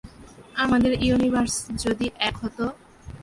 আমাদের ইউনিভার্সে যদি এক হতো।